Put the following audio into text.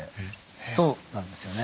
そうなんですよね。